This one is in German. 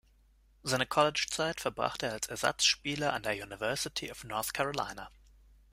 Seine College Zeit verbrachte er als Ersatzspieler an der University of North Carolina.